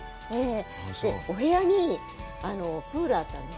お部屋にプールがあったんです。